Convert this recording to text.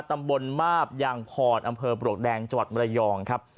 ตำบลมาบยางพรอำเภอปลวกแดงจังหวัดมรยองครับ